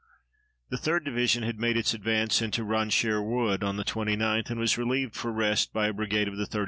The 3d Division had made its advance into Ronchères Wood on the 29th and was relieved for rest by a brigade of the 32d.